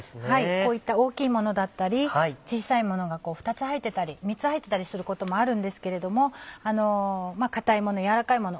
こういった大きいものだったり小さいものが２つ入ってたり３つ入ってたりすることもあるんですけれども硬いもの軟らかいもの